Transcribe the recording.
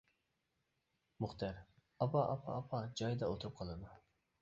مۇختەر:-ئاپا ئاپا ئاپا. جايىدا ئولتۇرۇپ قالىدۇ.